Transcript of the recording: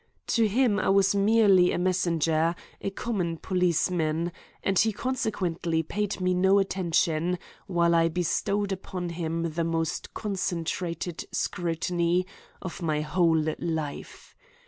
To him I was merely a messenger, or common policeman; and he consequently paid me no attention, while I bestowed upon him the most concentrated scrutiny of my whole life.